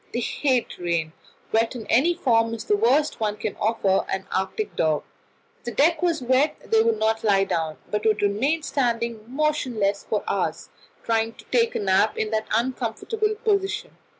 They hate rain; wet in any form is the worst one can offer an Arctic dog. If the deck was wet, they would not lie down, but would remain standing motionless for hours, trying to take a nap in that uncomfortable position.